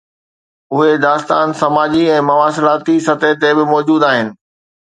اهي داستان سماجي ۽ مواصلاتي سطح تي به موجود آهن.